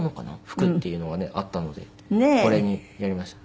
福っていうのがねあったのでこれにやりました。